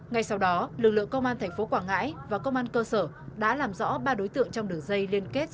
ngay sau đó lực lượng công an tp quảng ngãi và công an cơ sở đã làm rõ ba đối tượng trong đường dây liên kết